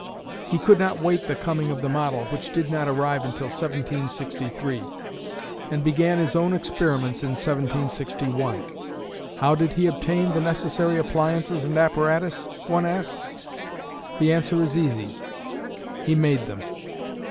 He could not await the coming of the model, which did not arrive until 1763, and began his own experiments in 1761. How did he obtain the necessary appliances and apparatus, one asks. The answer is easy. He made them.